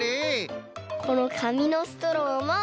このかみのストローも。